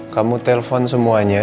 kamu telpon semuanya